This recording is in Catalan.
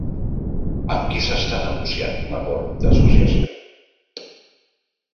Amb qui s'està negociant un acord d'associació?